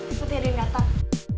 eh nanti ada yang datang